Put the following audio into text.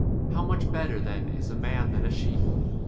How much better then is a man than a sheep